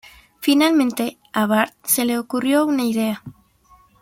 Finalmente, a Bart se le ocurrió una idea.